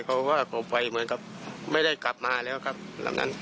เขาก็ออกไปเหมือนกับไม่ได้กลับมาแล้วครับหลังนั้น